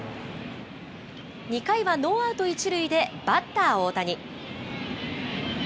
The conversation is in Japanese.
２回はノーアウト１塁でバッター、大谷。